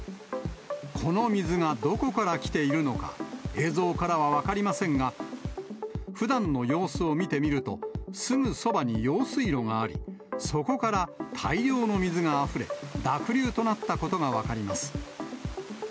この水がどこから来ているのか、映像からは分かりませんが、ふだんの様子を見てみると、すぐそばに用水路があり、そこから大量の水があふれ、濁流となったことが分かります。